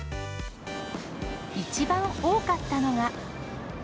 一番多かったのが。